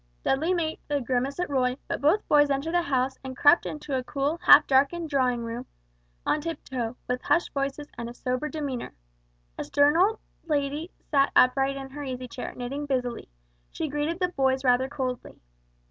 Dudley made a grimace at Roy; but both boys entered the house, and crept into a cool half darkened drawing room on tiptoe, with hushed voices and sober demeanor. A stern looking old lady sat upright in her easy chair, knitting busily. She greeted the boys rather coldly.